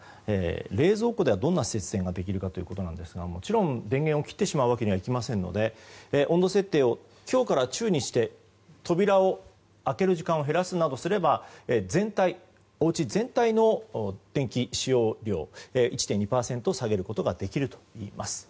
冷蔵庫ではどんな節電ができるかですがもちろん電源を切ってしまうわけにはいきませんので温度設定を強から中にして扉を開ける時間を減らすなどすればおうち全体の電気使用量を１．２％下げることができるといいます。